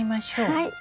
はい。